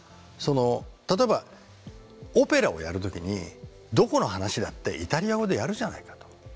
例えばオペラをやる時にどこの話だってイタリア語でやるじゃないかと。